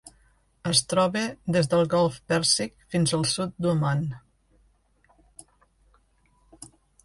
Es troba des del Golf Pèrsic fins al sud d'Oman.